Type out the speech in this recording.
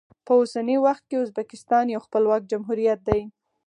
په اوسني وخت کې ازبکستان یو خپلواک جمهوریت دی.